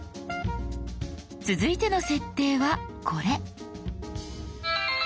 続いての設定はこれ。